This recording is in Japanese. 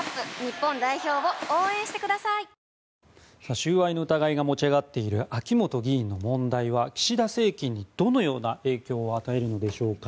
収賄の疑いが持ち上がっている秋本議員の問題は岸田政権にどのような影響を与えるんでしょうか。